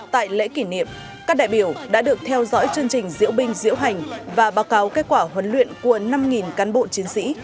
tại lễ kỷ niệm các đại biểu đã được theo dõi chương trình diễu binh diễu hành và báo cáo kết quả huấn luyện của năm cán bộ chiến sĩ